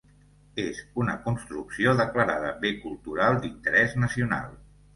És una construcció declarada bé cultural d'interès nacional.